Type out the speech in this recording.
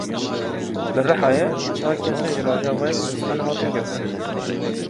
Li Rihayê çar kesên ji Rojavayê Kurdistanê hatin girtin.